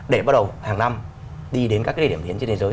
để bắt đầu hàng năm đi đến các cái điểm tiến trên thế giới